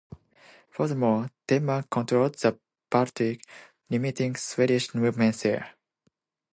Furthermore, Denmark controlled the Baltic, limiting Swedish movement there.